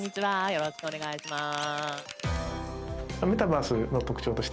よろしくお願いします。